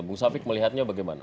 bung safiq melihatnya bagaimana